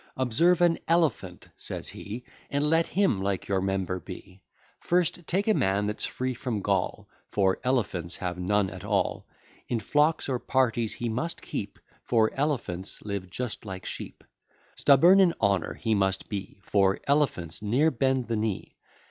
Observe an elephant, says he, And let him like your member be: First take a man that's free from Gaul, For elephants have none at all; In flocks or parties he must keep; For elephants live just like sheep. Stubborn in honour he must be; For elephants ne'er bend the knee.